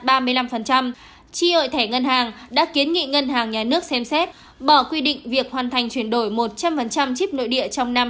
tri hội thẻ ngân hàng đã kiến nghị ngân hàng nhà nước xem xét bỏ quy định việc hoàn thành chuyển đổi một trăm linh chip nội địa trong năm hai nghìn hai mươi